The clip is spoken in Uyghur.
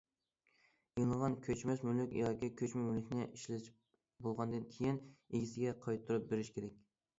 ئېلىنغان كۆچمەس مۈلۈك ياكى كۆچمە مۈلۈكنى ئىشلىتىپ بولغاندىن كېيىن، ئىگىسىگە قايتۇرۇپ بېرىش كېرەك.